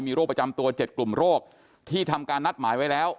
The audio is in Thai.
มีโรคประจำตัว๗กลุ่มโรคที่ทำการนัดหมายไว้แล้ว